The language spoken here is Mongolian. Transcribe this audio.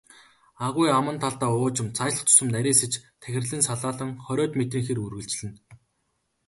Агуй аман талдаа уужим, цаашлах тутам нарийсаж тахирлан салаалан, хориод метрийн хэр үргэлжилнэ.